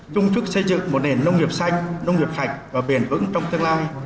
chung sức xây dựng một nền nông nghiệp xanh nông nghiệp sạch và bền vững trong tương lai